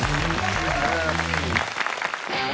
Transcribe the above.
ありがとうございます。